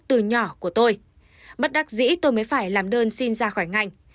từ nhỏ của tôi bất đắc dĩ tôi mới phải làm đơn xin ra khỏi ngành